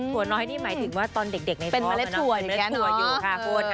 ถั่วน้อยนี่หมายถึงว่าตอนเด็กในเท้าเป็นเมล็ดถั่วอยู่ค่ะ